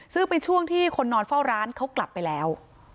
ซึ่งเป็นช่วงที่คนนอนเฝ้าร้านเขากลับไปแล้ว